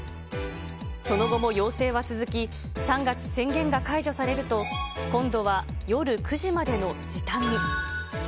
その後も要請は続き、３月、宣言が解除されると今度は夜９時までの時短に。